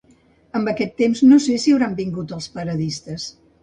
Amb aquest temps no sé si hauran vingut els paradistes